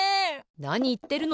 なにいってるの！